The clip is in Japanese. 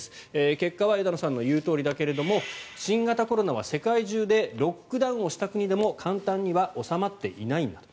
結果は枝野さんが言うとおりだけれども新型コロナは世界中でロックダウンをした国でも簡単には収まっていないんだと。